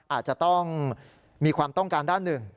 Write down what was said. อาจจะต้องมีความต้องการด้านหนึ่ง